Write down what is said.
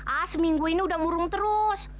ah seminggu ini udah murung terus